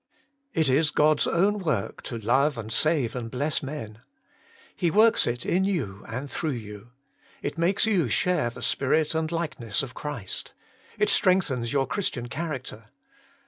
It is God's own work, to love and save and bless men. He works it in you and through you. It makes you share the spirit and likeness of Christ. It strengthens your Christian character.